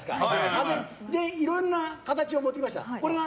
派手でいろんな形を持ってきました。